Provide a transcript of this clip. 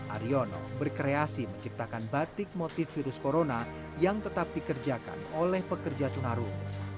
aryono berkreasi menciptakan batik motif virus corona yang tetap dikerjakan oleh pekerja tunarung